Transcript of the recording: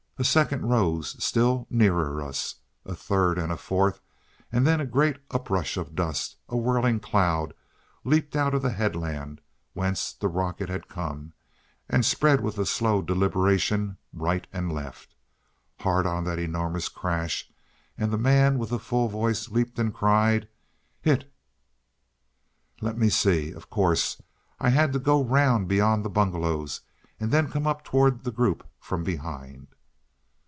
A second rose still nearer us, a third, and a fourth, and then a great uprush of dust, a whirling cloud, leapt out of the headland whence the rocket had come, and spread with a slow deliberation right and left. Hard on that an enormous crash, and the man with the full voice leapt and cried, "Hit!" Let me see! Of course, I had to go round beyond the bungalows, and then come up towards the group from behind.